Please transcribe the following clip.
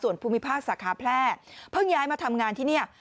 ส่วนภูมิภาคสาขาแพร่เพิ่งย้ายมาทำงานที่นี่